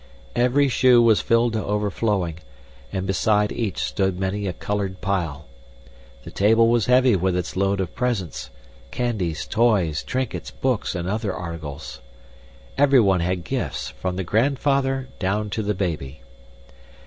Every shoe was filled to overflowing, and beside each stood many a colored pile. The table was heavy with its load of presents candies, toys, trinkets, books, and other articles. Everyone had gifts, from the grandfather down to the baby.